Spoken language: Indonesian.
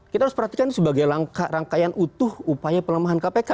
kita harus perhatikan sebagai rangkaian utuh upaya pelemahan kpk